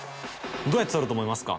どうやって獲ると思いますか？」